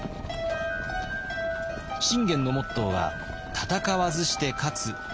信玄のモットーは「戦わずして勝つ」だったはず。